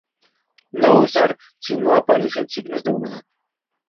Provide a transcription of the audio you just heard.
No usar si no aparecen signos de humedad.